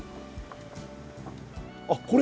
あっこれ？